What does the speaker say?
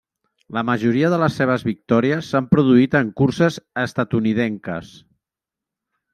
La majoria de les seves victòries s'han produït en curses estatunidenques.